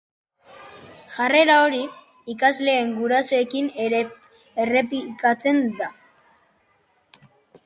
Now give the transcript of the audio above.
Jarrera hori, ikasleen gurasoekin ere errepikatzen da.